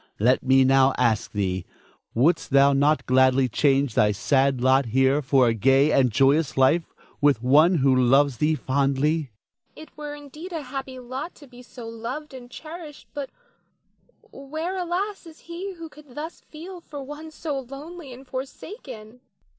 Let me now ask thee, Wouldst thou not gladly change thy sad lot here for a gay and joyous life with one who loves thee fondly? Nina. It were indeed a happy lot to be so loved and cherished; but where, alas, is he who could thus feel for one so lonely and forsaken?